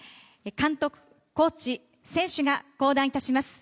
監督、コーチ、選手が降壇いたします。